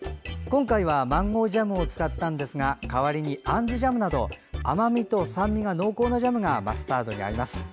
今回はマンゴージャムを使ったんですが代わりにあんずジャムなど甘みと酸味が濃厚なジャムがマスタードに合います。